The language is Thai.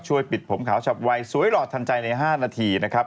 ปิดผมขาวฉับวัยสวยหลอดทันใจใน๕นาทีนะครับ